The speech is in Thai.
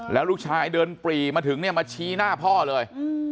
แล้วลูกชายเดินปรีมาถึงเนี่ยมาชี้หน้าพ่อเลย